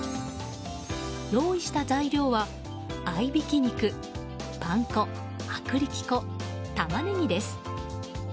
用意した材料は、合いびき肉パン粉、薄力粉、タマネギです。